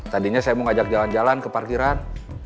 tadinya saya mau ngajak jalan jalan ke parkiran